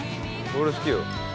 俺好きよ。